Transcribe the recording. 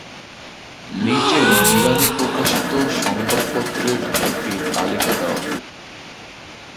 নিচে ইরানে প্রকাশিত সংবাদপত্রের একটি তালিকা দেওয়া হল।